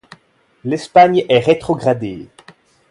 L'Espagne est rétrogradée.